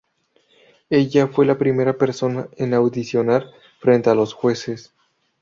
Ella fue la primera persona en audicionar frente a los jueces.